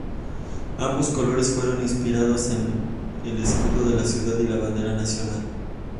Ambos colores fueron inspirados en el escudo de la ciudad y la bandera nacional.